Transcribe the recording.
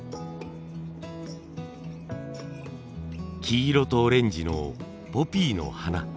黄色とオレンジのポピーの花。